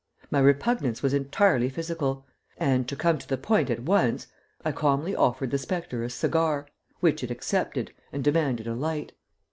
My repugnance was entirely physical, and, to come to the point at once, I calmly offered the spectre a cigar, which it accepted, and demanded a light.